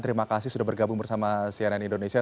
terima kasih sudah bergabung bersama cnn indonesia